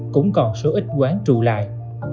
cũng còn số ít quán trù lại